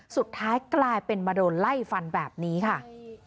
สุดท้ายกลายเป็นมาโดนไล่ฟันแบบนี้ค่ะ